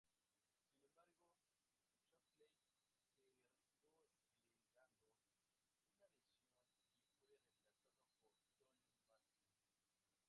Sin embargo, Shockley se retiró alegando una lesión y fue reemplazado por Tony Martin.